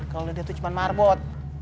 kalo dia tuh cuman marbot